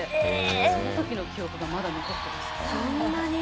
そのときの記憶がまだ残ってます。